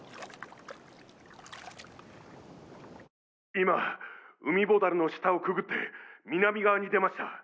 今海ボタルの下をくぐって南側に出ました。